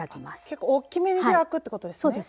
結構おっきめに開くってことですね。